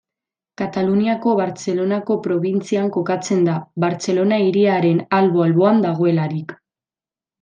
Kataluniako Bartzelonako probintzian kokatzen da, Bartzelona hiriaren albo-alboan dagoelarik.